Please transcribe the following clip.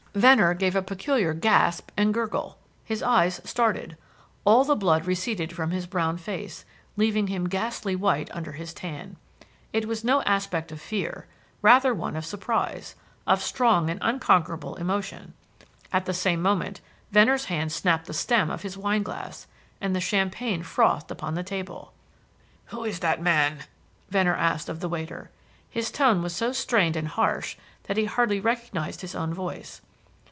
Venner gave a peculiar gasp and gurgle. His eyes started. All the blood receded from his brown face, leaving him ghastly white under his tan. It was no aspect of fear rather one of surprise, of strong and unconquerable emotion. At the same moment Venner's hand snapped the stem of his wine glass, and the champagne frothed upon the table. "Who is that man?" Venner asked of the waiter. His tone was so strained and harsh that he hardly recognised his own voice.